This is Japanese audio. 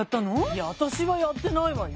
いやあたしはやってないわよ。